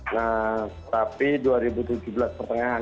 nah tapi dua ribu tujuh belas pertengahan